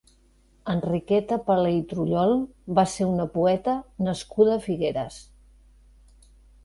Enriqueta Paler i Trullol va ser una poeta nascuda a Figueres.